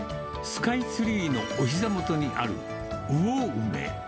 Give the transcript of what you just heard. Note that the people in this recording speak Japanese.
スカイツリーのおひざ元にある魚梅。